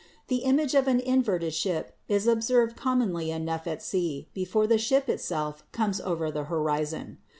The image of an inverted ship is observed com monly enough at sea before the ship itself comes over the horizon.